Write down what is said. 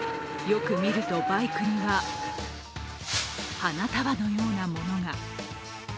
よく見るとバイクには花束のようなものが。